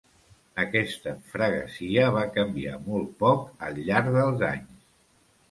Aquesta "freguesia" va canviar molt poc al llarg dels anys.